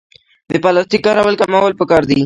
د پلاستیک کارول کمول پکار دي